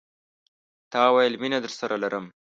تا ویل، مینه درسره لرم